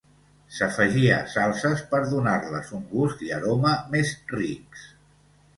S'afegia a salses per donar-les un gust i aroma més rics.